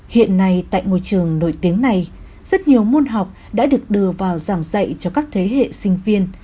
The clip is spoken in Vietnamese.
hiện nay tại ngôi trường nổi tiếng này rất nhiều môn học đã được đưa vào giảng dạy cho các thế hệ sinh viên